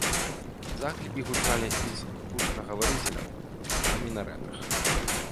Заклікі гучалі і з гучнагаварыцеляў на мінарэтах.